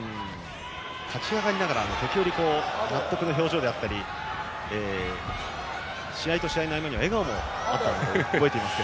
勝ち上がりながら時折、納得の表情だったり試合と試合の合間には笑顔もあったのを覚えています。